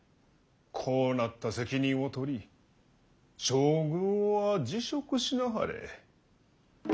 こうなった責任を取り将軍は辞職しなはれ。